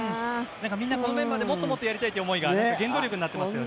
このメンバーでもっともっとやりたいなという思いが原動力になっていますよね。